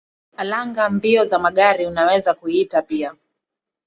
alanga mbio za magari unaweza kuita pia